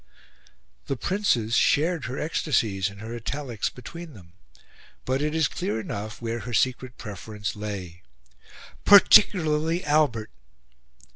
The Princes shared her ecstasies and her italics between them; but it is clear enough where her secret preference lay. "Particularly Albert!"